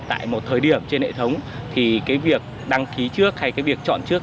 tại một thời điểm trên hệ thống thì cái việc đăng ký trước hay cái việc chọn trước